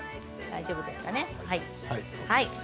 大丈夫ですかね。